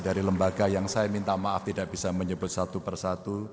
dari lembaga yang saya minta maaf tidak bisa menyebut satu persatu